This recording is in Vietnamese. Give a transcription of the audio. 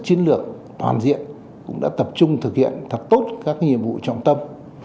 chiến lược toàn diện cũng đã tập trung thực hiện thật tốt các nhiệm vụ trọng tâm